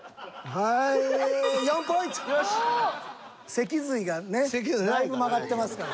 脊髄がねだいぶ曲がってますから。